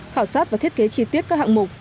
khảo sát và thiết kế chi tiết các hạng mục